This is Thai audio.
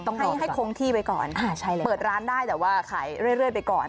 ต้องรอดให้ให้คงที่ไปก่อนอ่าใช่เลยเปิดร้านได้แต่ว่าขายเรื่อยเรื่อยไปก่อน